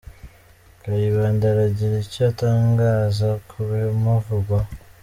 Kayibanda aragira icyo atangaza ku bimuvugwaho